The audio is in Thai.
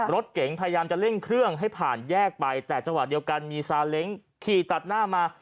รถเก๋งพยายามจะเร่งเครื่องให้ผ่านแยกไปแต่จังหวะเดียวกันมีซาเล้งขี่ตัดหน้ามา